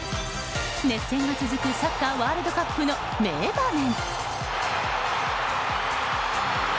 熱戦が続くサッカーワールドカップの名場面。